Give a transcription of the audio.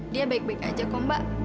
dia baik baik aja kok mbak